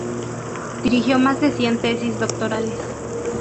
Dirigió más de cien tesis doctorales.